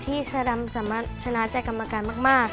ชาดำสามารถชนะใจกรรมการมาก